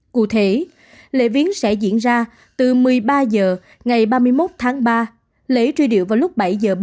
cụ thể lễ viếng sẽ diễn ra từ một mươi ba h ngày ba mươi một tháng ba lễ truy điệu vào lúc bảy h ba mươi